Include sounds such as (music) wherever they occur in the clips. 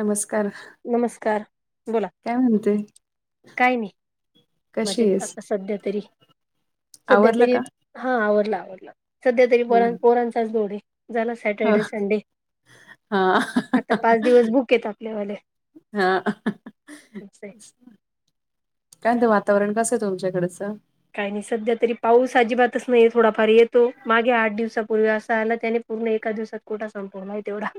नमस्कार नमस्कार बोला काय म्हणते काय मी कशी म्हजे आहेस आता सध्या तरी सध्या आवरलं तरी का हा आवडला आवडला सध्या तरी प ह पोरांचाच दोडे झाला हा सॅटर्डे संडे. आता पाच दिवस बुक येत आपल्या वाले. हा काय ते वातावरण कसं आहे तुमच्याकडचं काही नाही सध्या तरी पाऊस अजिबातच नाही थोडाफार येतो मागे आठ दिवसापूर्वी असा आला त्याने पूर्ण एका दिवसात कुठा संपूर्ला आहे तेवढा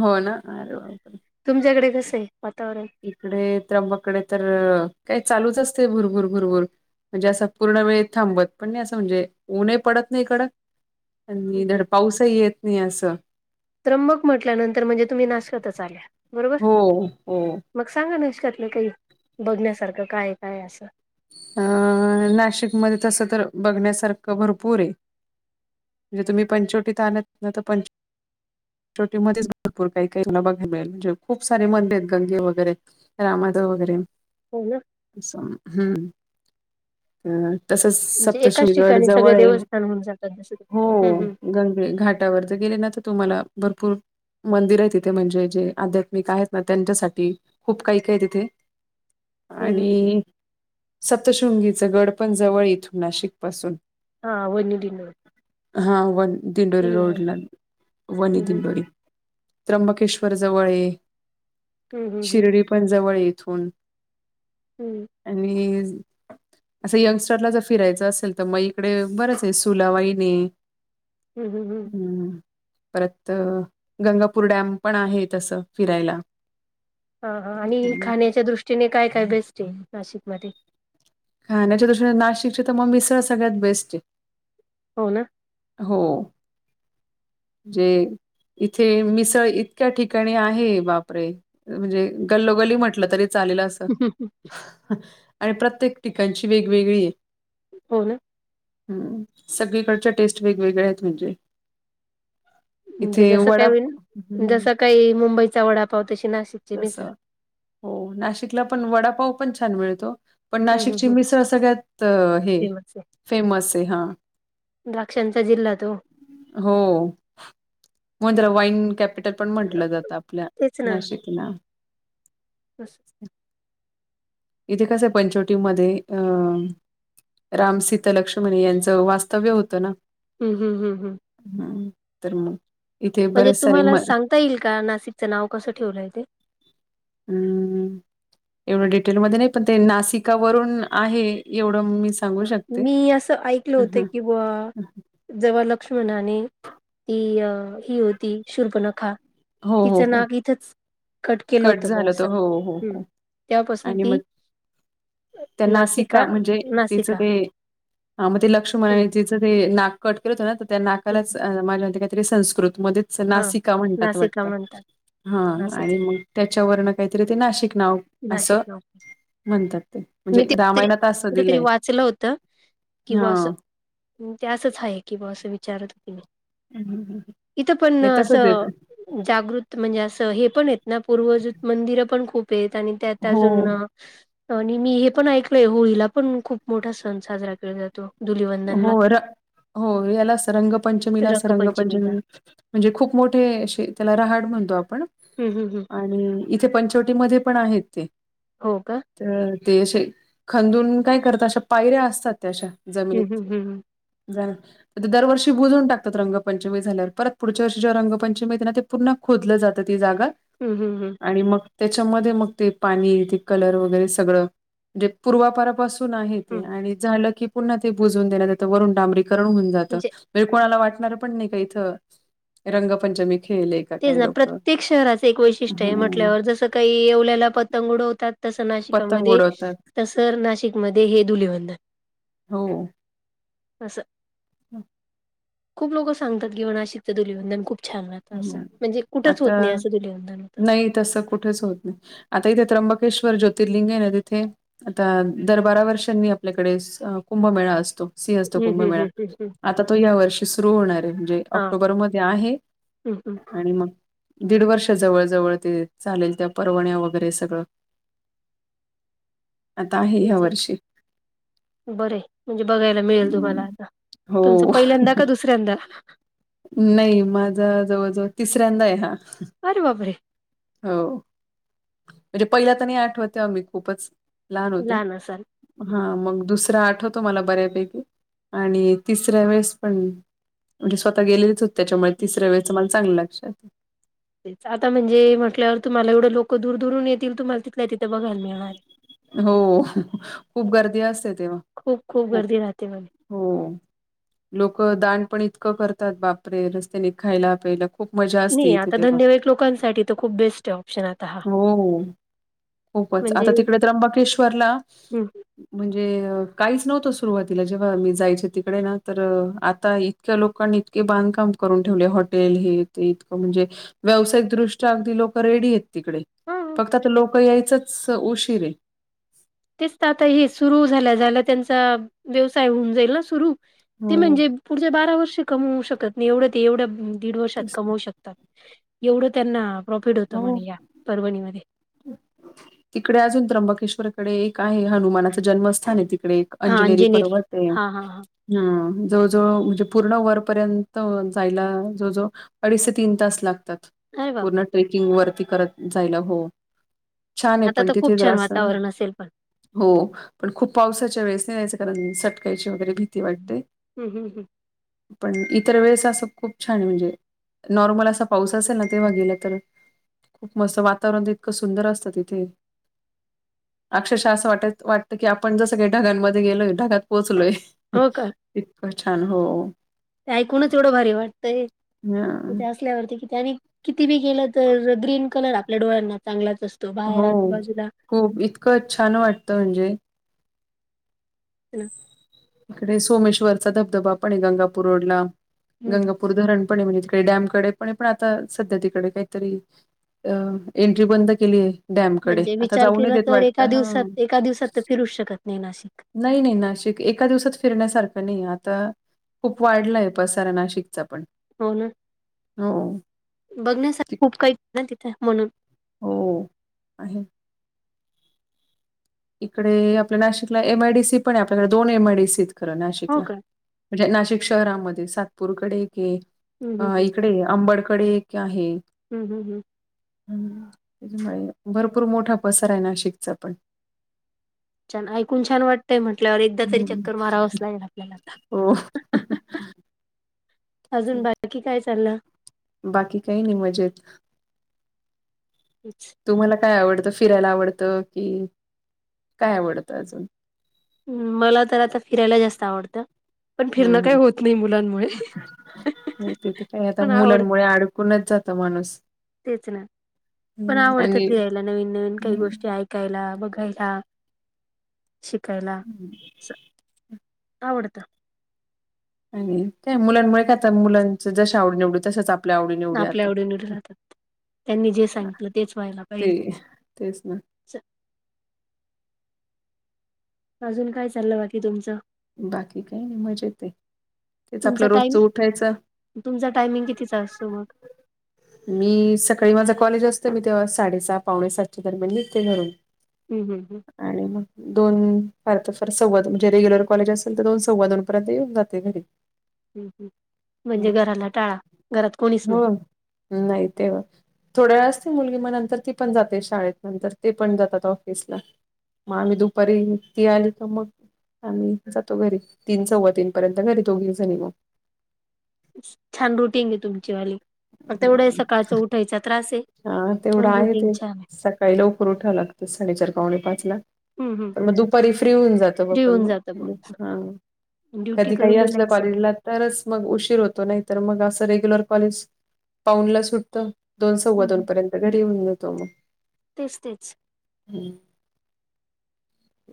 हो ना अरे बापरे तुमच्याकडे कस आहे वातावरण. इकडे त्र्यंबाकडे तर काय चालूच असते भुरभुर भुरभुर म्हणजे असं पूर्ण वेळ थांबत पण नाही असं म्हणजे उऊ्हे पडत नाही इकडं. हं, आणि हं. धड पाऊसही येत नाही असं. त्रम्बक म्हटल्यानंतर म्हणजे तुम्ही नाश्कातच आल्या बरोबर हो हो मग सांगा नाष्कातलं काही बघण्यासारखं काय काय असं. अ नाशिकमध्ये तसं तर बघण्यासारखं भरपूर आहे. म्हणजे तुम्ही पंचवटीत आणत ना तर पंच. छोटी मध्येच भरपूर काही काही तुला बघाय मिळेल म्हणजे खूप सारे मंद आहेत गंगे वगैरे रामादव वगैरे. हो ना हम्म. अ तसच म्हणजे एकाच सप्तशृंगी गड ठिकाणी सगळे जवळ देवस्थान होऊन जातात जसं हो हम्म हम्म गंगे घाट गेले ना तर तुम्हाला भरपूर मंदिर आहे तिथे म्हणजे जे आध्यात्मिक आहेत ना त्यांच्यासाठी खूप काही काय तिथे हम्म हम्म हम्म. आणि सप्तशृंगी च गड पण जवळ इथून नाशिक पासून. हा वनी दिंडोर हा वन दिंडोरी रोडला वनी हम्म हम्म दिंडोरी. त्र्यंबकेश्वर जवळये हम्म हम्म हम्म. शिर्डी पण जवळये इथून. हम्म! आणि असं यंगस्टरला जर फिरायचं असेल तर मग इकडे बरंच आहे सुलावाईनी हम्म हम्म हम्म! हम्म! परत गंगापूर डॅम पण आहे तसं फिरायला. हां हां आणि हम्म. खाण्याच्या दृष्टीने काय काय बेस्ट आहे नाशिकमध्ये? खाण्याच्या तस नाशिकच्या तर मग मिसळ सगळ्यात बेस्ट आहे. हो ना! हो जे इथे मिसळ इतक्या ठिकाणी आहे बापरे. म्हणजे गल्लोगल्ली म्हटलं तरी चालेलं अस आणि प्रत्येक ठिकाणची वेगवेगळी आहे. हो ना! हम्म सगळीकडच्या टेस्ट वेगवेगळ्या आहेत म्हणजे. म्हणजे इथे जसं वडा काही होईल जस हम्म काही मुंबईचा वडापाव तशी नाशिकची तसं मिसळ. हो नाशिकला पण वडापाव पण छान मिळतो. पण हम्म हम्म नाशिकची हम्म. मिसळ सगळ्यात हे फेमस आहे फेमस आहे हा. द्राक्षांचा जिल्हा तो. हो म्हणून तर वाईन कॅप पिटल पण म्हटलं जात आपल्या तेच ना नाशिक ना. असं. इथे कसं पंचवटी मध्ये अ राम, सिता, लक्ष्मण यांचं वास्तव्य होतं ना. हम् हम हम् हम्म! हम तर म इथे म्हणजे बरेच सारे तुम्हाला सांगता येईल का नाशिकचं नाव कसं ठेवलंय ते? हम्म एवढं डिटेलमध्येध्ये नाही पण ते नाशिकावरून आहे एवढं मी सांगू शकते. मी असं ऐकल हं होतं हं की बुवा हं. जेव्हा लक्ष्मणाने ती अ ही होती शुर्खनखा हो हो तिचं हो नाक इथंच कट केलं होत बुवा झालं असं तर हो हो ह् हो त्यापासून आणि मग ती नाशिका नाशिक हित ते लक्ष्मणाने तीच ते नाक कट केलं होतं ना त्या नाकालाच मला वाटतंय काय तरी संस्कृत मध्येच हा नासिका म्हणतात नासिका वाटत म्हणतात हा असंच आणि आहे मग त्याच्यावरन काहीतरी ते नाशिक नाव नाशिक असं नाव म्हणतात ते. म्हणजे मी तरी रामायणात असं कुठ तरी दिलंय वाचलं होत किंवा बवा हा. असं. ते असंच आहे की बा असं विचारत तिने, इथं पण नाही तसच येत असं जागृत म्हणजे असं हे पण येत ना पूर्वजूत मंदिर पण खूप आहेत आणि त्यात हो अजून आणि मी हे पण ऐकलोय होळीला पण खूप मोठा सण साजरा केला जातो. हो धुलिवंदनला र हो याला आस रंगपंचमीला अस रंगपंचमीला रंगपंचमी म्हणजे खूप मोठे असे त्याला रहाड म्हणतो आपण. हम्म हम्म हम्म. आणि इथे पंचवटीमध्ये पण आहेत ते. हो का. तर तेशे खंदून काय करतात अश्या पायऱ्या असतात त्या अश्या. हम्म हम्म हम्म हम्म. ते दरवर्षी बुजून टाकात रंगपंचमी झाल्यावर परत पुढच्या वर्षी जेव्हा रंगपंचमी येते ना ते पूर्ण खोदलं जातं ती जागा. हम्म हम्म हम्म. आणि मग त्याच्यामध्ये मग ते पाणी ते कलर वगैरे सगळं म्हणजे पूर्वा परा पासून आहे ते हम्म आणि झालं की पुन्हा ते बुजून दिलं जात वरून डांबरीकरण होऊन जातं. म्हणजे म्ह कोणाला वाटणार पण नाही का इथं रंगपंचमी खेल खेळली ये. तेच ना प्रत्येक शहराचं एक वैशिष्ट्य आहे ह म्हटल्यावर जसं काही एवल्याला पतंग उडवतात तस पतंग नाशिकामध्ये उडवतात तसं नाशिकमध्ये हे धुलवंदन. हो. असं. हम्म. खूप लोक सांगतात की म्हणा नाशिकच धुलीवंदन खूप छान राहतं असं. म्हणजे कुठंच होत आता नाही असं धुलिवंधन होतं. नाही तसं कुठेच होत नाही आता इथे त्र्यंबकेश्वर ज्योतिर्लिंग आहे ना तिथे आता दर बारा वर्षांनी आपल्याकडे स कुंभमेळा असतो. सिंहस्त हं, हं, कुंभमेळा हं, हं, हं. आता तो या वर्षी सुरू होणार आहे म्हणजे ऑक्टोबर मध्ये आहे. हम्म हम्म. आणि मग दीड वर्ष जवळ जवळ ते चालेल त्या परवण्या वगैरे सगळं. आता आहे ह्या वर्षी. बर ये म्हणजे बघायला मिळेल तुम्हाला आता हो तुमच पहिल्यांदा का दुस (unintelligible) नाही माझा जवळ जवळ तिसऱ्यांदा आहे हा. अरे बाप रे. हो म्हणजे पहिला तर नाही आठवत तेव्हा मी खूपच लहान होते. असाल. हं, हा मग दुसरा आठवतो मला बऱ्यापैकी आणि तिसऱ्या वेळेस पण म्हणजे स्वतः गेलेच होत त्याच्यामुळे हं. तिसऱ्या वेळेचं मला चांगलं लक्षात ये. आता म्हणजे म्हटल्यावर तुम्हाला एवढं लोकं दूर दूरून येतील तुम्हाला तिथल्या तिथे बघायला मिळणार ये. हो खूप गर्दी असते तेव्हा. खूप खूप गर्दी राहते म्हणे. हो लोक दान पण इतकं करतात बापरे रस्त्याने खायला प्यायला खूप मजा असते नाही इथे आता तेव्हा धंदेवाईक लोकांसाठी तर खूप बेस्ट आहे ऑप्शन आता हा. हो हो. खूपच आता म्हणजे तिकडे त्र्यंबकेश्वरला हं, म्हणजे काहीच नव्हतं सुरुवातीला जेव्हा मी जायचे तिकडे ना तर आता इ इतक्या लोकांनी इतके बांधकाम करून ठेवले हॉटेल हे ते इतकं म्हणजे व्यावसायिक दृष्ट्या अगदी लोक रेडी आहेत तिकडे हां. फक्त आता लोक यायचंच उशीर आहे. तेच तर आता हे सुरू झाल्या झाल्या त्यांचा व्यवसाय होऊन जाईल ना सुरू ते हो म्हणजे पुढचे बारा वर्ष कमवू शकत नाही एवढं ते एवढ्या दीड वर्षात तेच ना. कमवू शक त एवढं त्यांना प्रॉफिट होत हो म्हणे या परवनीमध्ये. तिकडे अजून त्र्यंबकेश्वर कडे एक आहे हनुमानाचं जन्मस्थान आहे तिकडे हा अंजनेरी पर्वत आहे. हा हा हा हम्म जो जवळ म्हणजे पूर्ण वरपर्यंत जायला जो जो अडीच ते तीन तास लागतात अरे पूर्ण बापरे ट्रेकिंग वरती करत जायला हो. छान आहे आता पण तर तिथे खूप छान जरास. वातावरण असेल पण हो पण खूप पावसाच्या वेळेस नाही जायचं कारण सट वगैरे भीती वाटते हं, हं, हं. पण इतर वेळेस असं खूप छान म्हणजे नॉर्मल असा पाऊस असेल ना. तेव्हा गेला तर, खूप मस्त. वातावरण इतक सुंदर असतं ति थे. अक्षरशः असं वाट- वाटतं की, आपण जसं काही ढगांमध्ये गेलोय. ढगात पोचलोय. हो का (unintelligible) इतकं छान. हो. ते ऐकूनच एवढं भारी वाटतंय. हां. तिथे अस ल्यावर किती. आणि किती बी केलं तर, ग्रीन कलर आपल्या डोळ्यांना, चांगलाच असतो. बाहेर हो. आजूबाजूला हो. इतकं छान वाटतं. म्हणजे ह. ते सोमेश्वरचा धबधबा पणय गंगापूर रोडला. हं, गंगा पुर धरण पणय. म्हणजे तिकडे डॅमकडे पणे पण आता सध्या तिकडे काहीतरी अ एंट्री बंद केलीय. म्हणजे विचार केला तर, एका दिवसात, हां एका दिवसात तर फिरूच शकत नाही, नाशिक. नाही- नाही. नाशिक एका दिवसात फिरण्यासारखं नाही. आता खूप वाढलाय, पसारा नाशिकचा पण. हो ना. हो. बघण्यासाठी ती खूप काही ना तिथं, म्हणून. हो. आहे. इकडे, आपल्या नाशिकला एम आय डी सी पणय. आपल्याकडे, दोन एम आय डी सीयत खरं हो नाशिकला. का? म्हणजे नाशिक शहरामध्ये. सातपूरकडे एकय. हं, हं, इकडे अंबडकडे एक आहे. हम्, हं, हं. हम्म, (unintelligible) भरपूर मोठा पसाराय नाशिकचा पण. छान. ऐकून छान वाटतय म्हंटल्यावर, एकदा तरी हम्म. चक्कर मारावंच लागेल, आपल्याला आता. हो. (unintelligible) अजून, बाकी काय चाललं? बाकी काही नाही, मजेत. अच्छा तुम्हाला काय आवडतं? फिरायला आवडतं की, काय आवडतं अजून? हम्म, मला तर आता फिरायला जास्त आवडतं. पण फिरणं काही हम्म, होत नाही मुलांमुळे. हम. (inaudible) तीथ काय आता, पण आवडतं मुलांमुळे आड कुणच जात, माणूस. तेच ना, पण हम्म आवडतं आणि फिरायला. नवीन- नवीन काही हं, गोष्टी ऐक ऐकायला, बघायला, शिकायला, हं. अस आवडतं. आणि काय मुलांमुळे. काय आता मुलांच जशा आवडी- निवडी. तशाच आप आपल्या आवडी- निवडी राहतात. त्यांनी जे सांगितलं, तेच व्हायला पाहिजे. ते तेच ना. अजून काय चाललं? बाकी तुमचं. बाकी काही नाही मजेतय. तेच आपलं तुमचा टाईम रोजच उठायचं तुमचा टायमिंग कितीचा असतो, मग? मी सकाळी माझा कॉलेज असत. मी तेव्हा साडेसहा, पावणे सातच्या दरम्यान, निघते घरून. हम्, हं, हं. आणि म दोन, फार तर फार सव्वादोन म्हणजे रेग्युलर कॉलेज असेल, तर दोन- सव्वा दोन पर्यंत येऊन जाते घरी. ह, ह. म्हणजे घराला टाळा. घरात कोणीच नाही हो. नाही तेव थोड्या वेळा असते मुलगी. मग नंतर ती पण जाते शाळेत. नंतर ते पण जातात ऑफिसला. मग आम्ही दुपारी, ती आली तर मग आम्ही जातो घरी. तीन -सव्वा तीन पर्यंत. घरी दोघीजणी मग. छान रुटिंगय तुमची वाली. तेवढंय सकाळचं उ ठयचा त्रास आहे पण रुटीन छान आहे काहीला उकरर उठाव लागतं साडेचार पावणे पाच ला हं हं प मग दुपारी फ्री होऊन जात बा फ्री पण होऊन जातं बुवा. मग हा ड्युटी कधी काही करून असलं रिलॅक्स आहे पॉलेजला तरच मग उशीर होतो नाही तर मग अस रेग्युलर कॉले पा सुटत द हं हं चव्वदोनपर्यंत घरी येऊन जेतो मग तेच तेच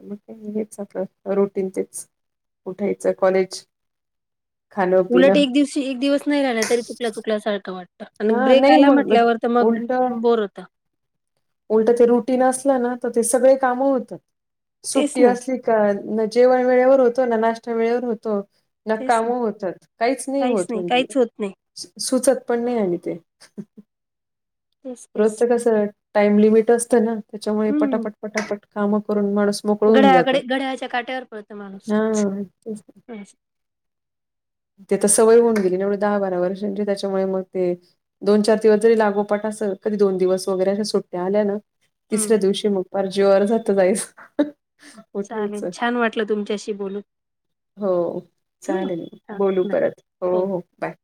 म हेच आपलं रोटीन तेच कुठायचं कॉलेज खाणं उलट पिणं एक दिवशी एक दिवस नाही राहिलं तरी चुकल्या चुकल्यासारखं वाटतं आणि हा ब्रेक नाही आला मग म्हटल्यावर तर मग उलट बोर होता उलट ते रुटीन असलं ना तर ते सगळे कामं होतात तेच सुट्टी ना असली जेवण वेळेवर होतो ना नाश्ता वेळेवर होतो ना काम होतात काहीच नाही होत म्हणजे काहीच होत नाही सुचत पण नाही आणि ते तेच तेच रोजच कस टाइम लिमिट असतं ना त्याच्यामुळे हं. पटापट पटापट कामं करून माणूस मोकळून जात घड्याळाकडे घड्याळाच्या काट्यावर पळतो माणूस हा हं ते तर सवय होऊन गेलीवढ दहा बारा वर्षांची त्याच्यामुळे मग ते दोन चार दिवस जरी लागोपाट असं कधी दोन दिवस वगैरे अशा सुट्ट्या आल्या ना हं. तिसऱ्या दिवशी मग फार जीवर जात जायचं चालेल उठायचं छान वाटलं तुमच्याशी बोलून हो ठेवू मग चालेल हा बोलू बाय परत हो हो बाय